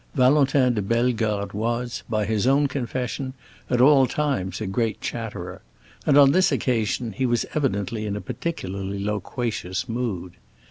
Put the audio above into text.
Valentin de Bellegarde was, by his own confession, at all times a great chatterer, and on this occasion he was evidently in a particularly loquacious mood.